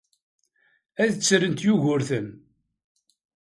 Ad ttrent Yugurten.